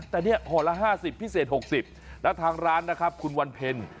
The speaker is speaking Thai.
แต่เนี่ยห่อละ๕๐พิเศษ๖๐แล้วทางร้านนะครับคุณวันเพ็ญ